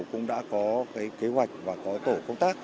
cũng đã có kế hoạch và có tổ công tác